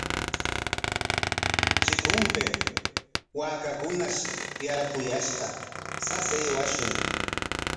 Chikunpik waakakunash yarquyashqa, sas aywashun.